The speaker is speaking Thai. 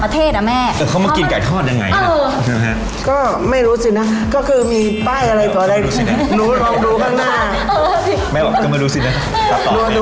ร้านแม่นะเฮียร้านแม่เนี่ยไม่ใช่นาข้าในไทย